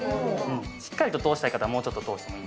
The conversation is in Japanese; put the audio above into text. しっかりと通したい方はもうちょっと通すと。